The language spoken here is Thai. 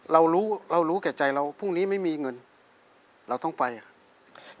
เรารู้เรารู้แก่ใจเราพรุ่งนี้ไม่มีเงินเราต้องไปครับ